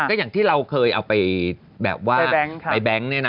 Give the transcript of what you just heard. ก็อย่างที่เราเคยเอาไปแบบว่าไปแบงค์เนี่ยนะ